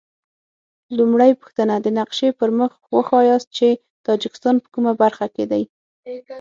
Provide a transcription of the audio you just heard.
لومړۍ پوښتنه: د نقشې پر مخ وښایاست چې تاجکستان په کومه برخه کې دی؟